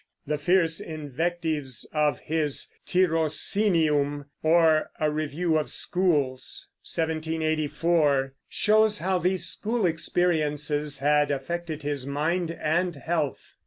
The fierce invectives of his "Tirocinium, or a Review of Schools" (1784), shows how these school experiences had affected his mind and health.